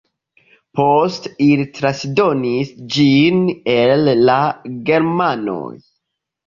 Poste ili transdonis ĝin al la germanoj.